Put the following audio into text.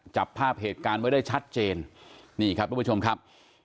จับภาพเหตุการณ์ไว้ได้ชัดเจนนี่ครับทุกผู้ชมครับ